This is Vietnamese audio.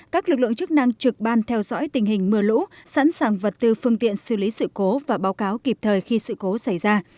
các lực lượng chức năng trực ban theo dõi tình hình mưa lũ sẵn sàng vật tư phương tiện xử lý sự cố và báo cáo kịp thời khi sự cố xảy ra